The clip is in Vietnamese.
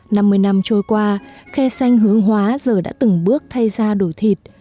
năm mươi năm trôi qua khe xanh hướng hóa giờ đã từng bước thay ra đổi thịt